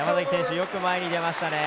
よく前に出ました。